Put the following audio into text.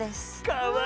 かわいい！